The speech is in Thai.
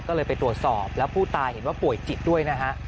ก็เลยไปตรวจสอบแล้วผู้ตายเห็นว่าป่วยจิตด้วยนะฮะ